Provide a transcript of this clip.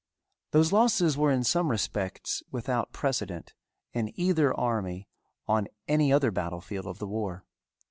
Those losses were in some respects without precedent in either army on any other battle field of the war.